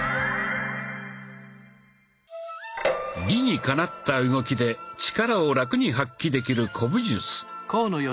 理にかなった動きで力をラクに発揮できる古武術。